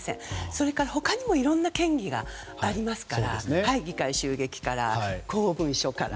それから、他にもいろんな嫌疑がありますから議会襲撃から公文書から。